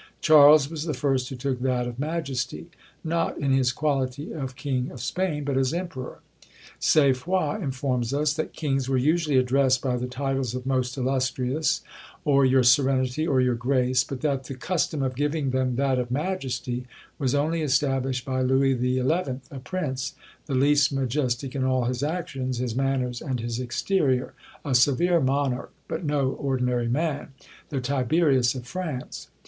Charles was the first who took that of majesty: not in his quality of king of Spain, but as emperor. St. Foix informs us, that kings were usually addressed by the titles of most illustrious, or your serenity, or your grace; but that the custom of giving them that of majesty was only established by Louis XI., a prince the least majestic in all his actions, his manners, and his exterior a severe monarch, but no ordinary man, the Tiberius of France.